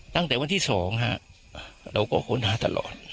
ตั้งแต่วันที่๒เราก็ค้นหาตลอด